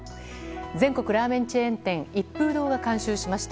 全国ラーメンチェーン店一風堂が監修しました。